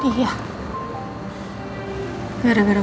tapi mereka tidak tahu apa yang akan terjadi